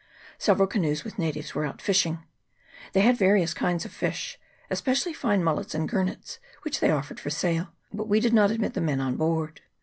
Several canoes with natives were out fishing. They had various kinds of fish, especially fine mullets and gurnets, which they of fered for sale, but we did not admit the men on board.